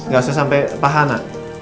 gak usah sampai pahana